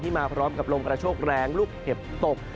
มาพร้อมกับลมกระโชคแรงลูกเห็บตก